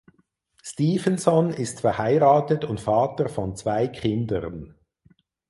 Stephenson ist verheiratet und Vater von zwei Kindern.